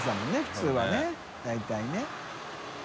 普通はね大体ね。